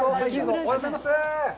おはようございます。